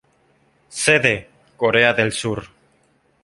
Sede: Corea del Sur.